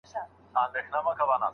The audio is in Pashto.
ولي زوجينو ته د خوند اخيستلو جواز سته؟